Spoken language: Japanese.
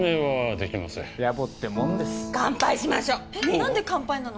なんで乾杯なの？